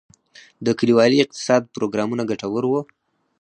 د کلیوالي اقتصاد پروګرامونه ګټور وو؟